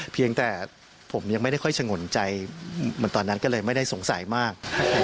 เพียงแต่ผมยังไม่ได้ค่อยสงนใจเหมือนตอนนั้นก็เลยไม่ได้สงสัยมาก